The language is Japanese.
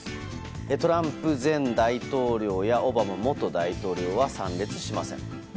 トランプ前大統領やオバマ元大統領は参列しません。